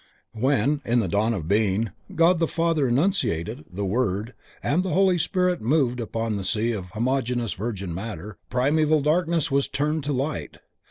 When, in the dawn of Being, God the Father enunciated The Word, and The Holy Spirit moved upon the sea of homogeneous Virgin Matter, primeval Darkness was turned to Light.